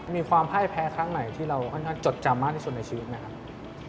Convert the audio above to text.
มีความพ่ายแพ้ครั้งไหนที่เราค่อนข้างจดจำมากที่สุดในชีวิตไหมครับ